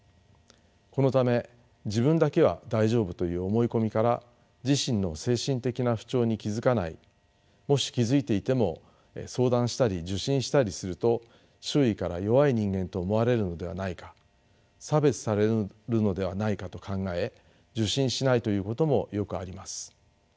このため自分だけは大丈夫という思い込みから自身の精神的な不調に気付かないもし気付いていても相談したり受診したりすると周囲から弱い人間と思われるのではないか差別されるのではないかと考え受診しないということもよくあります。